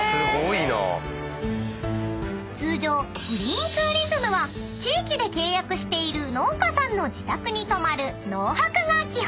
［通常グリーンツーリズムは地域で契約している農家さんの自宅に泊まる農泊が基本］